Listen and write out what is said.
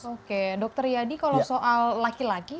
oke dokter yadi kalau soal laki laki